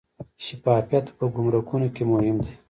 شفافیت په ګمرکونو کې مهم دی